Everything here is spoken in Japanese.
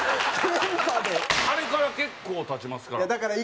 あれから結構経ちますから。